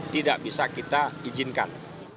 tidak bisa kita izinkan